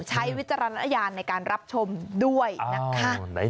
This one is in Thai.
วิจารณญาณในการรับชมด้วยนะคะ